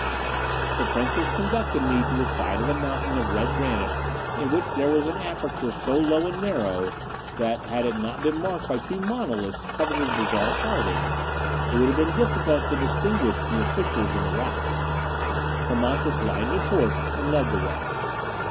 The princess conducted me to the side of a mountain of red granite in which there was an aperture so low and narrow that, had it not been marked by two monoliths covered with bizarre carvings, it would have been difficult to distinguish from the fissures in the rock. Hermonthis lighted a torch and led the way.